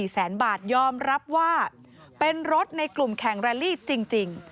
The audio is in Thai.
แสนบาทยอมรับว่าเป็นรถในกลุ่มแข่งแรลลี่จริง